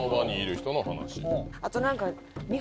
あと何か。